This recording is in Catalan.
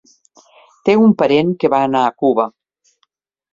Té un parent que va anar a Cuba.